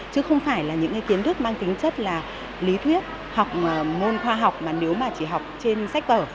chứ không phải là những kiến thức mang tính chất là lý thuyết học môn khoa học mà nếu mà chỉ học trên sách vở